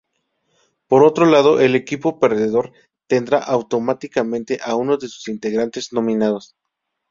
Por otro lado el equipo perdedor tendrá automáticamente a uno de sus integrantes nominados.